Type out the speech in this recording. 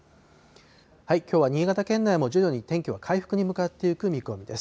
きょうは新潟県内も徐々に天気は回復に向かっていく見込みです。